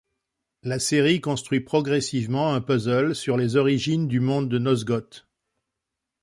La série construit progressivement un puzzle sur les origines du monde de Nosgoth.